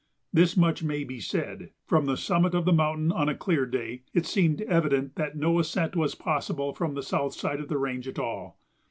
This much may be said: from the summit of the mountain, on a clear day, it seemed evident that no ascent was possible from the south side of the range at all.